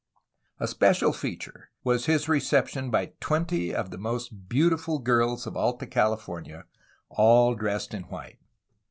A special feature was his reception by twenty of the most beautiful girls of Alta Cali fornia, all dressed in white.